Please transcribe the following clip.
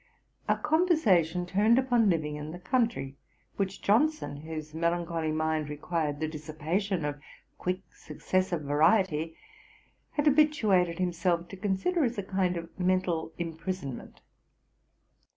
Our conversation turned upon living in the country, which Johnson, whose melancholy mind required the dissipation of quick successive variety, had habituated himself to consider as a kind of mental imprisonment.